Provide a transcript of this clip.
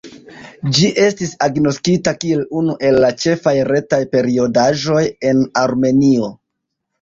Ĝi estis agnoskita kiel unu el la ĉefaj retaj periodaĵoj en Armenio.